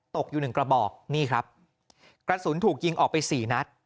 ตกอยู่หนึ่งกระบอกนี่ครับกระสุนถูกยิงออกไปสี่นัด